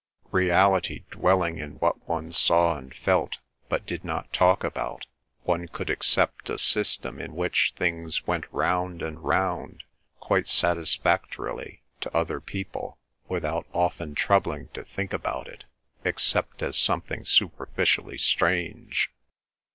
Reality dwelling in what one saw and felt, but did not talk about, one could accept a system in which things went round and round quite satisfactorily to other people, without often troubling to think about it, except as something superficially strange.